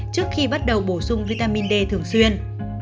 cho bổ sung vitamin d thường xuyên